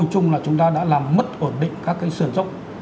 thì vô chung là chúng ta đã làm mất ổn định các cái sườn dốc